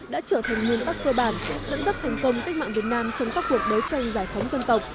đã trở thành nguyên tắc cơ bản dẫn dắt thành công cách mạng việt nam trong các cuộc đấu tranh giải phóng dân tộc